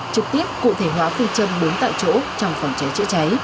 trực tiếp cụ thể hóa phương châm đúng tạo chỗ trong phòng cháy chữa cháy